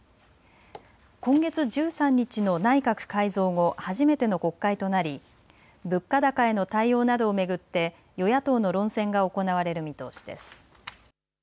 今月１３日の内閣改造後、初めての国会となり物価高への対応などを巡って与野党の論戦が行われる見通しです。